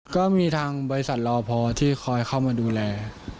ก็มีทางบริษัทรอพอที่คอยเข้ามาดูแล